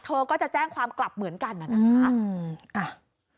เธอก็จะแจ้งความกลับเหมือนกันน่ะนะคะ